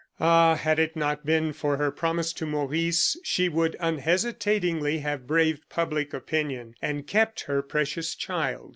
Ah! had it not been for her promise to Maurice, she would unhesitatingly have braved public opinion, and kept her precious child.